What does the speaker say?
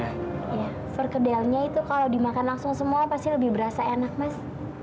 ya perkedelnya itu kalau dimakan langsung semua pasti lebih berasa enak mas